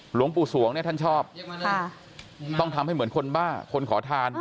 หลวงปู่สวงเนี่ยท่านชอบต้องทำให้เหมือนคนบ้าคนขอทาน